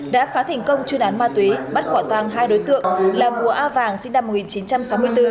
đã phá thành công chuyên án ma túy bắt quả tàng hai đối tượng là mùa a vàng sinh năm một nghìn chín trăm sáu mươi bốn